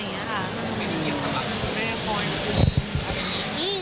ไม่ได้เกี่ยวกับคุณแม่คอยคุม